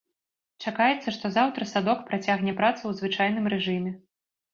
Чакаецца, што заўтра садок працягне працу ў звычайным рэжыме.